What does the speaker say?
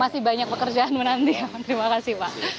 masih banyak pekerjaan menanti ya terima kasih pak